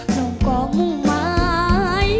หนุ่มกล้องมุมไม้